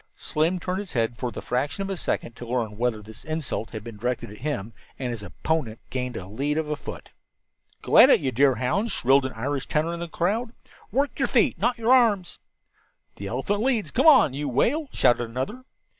Slim turned his head for the fraction of a second to learn whether this insult had been directed at him, and his opponent gained a lead of a foot. "Go it, you deerhounds," shrilled an Irish tenor in the crowd. "Work your feet, not your arms." "The elephant leads; come on, you whale!" shouted another.